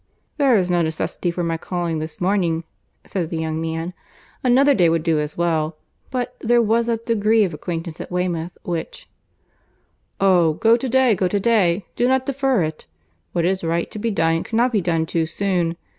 "There is no necessity for my calling this morning," said the young man; "another day would do as well; but there was that degree of acquaintance at Weymouth which—" "Oh! go to day, go to day. Do not defer it. What is right to be done cannot be done too soon.